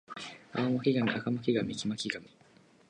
青巻紙赤巻紙黄巻紙